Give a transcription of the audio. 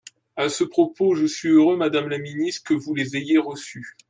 À ce propos, je suis heureux, madame la ministre, que vous les ayez reçus.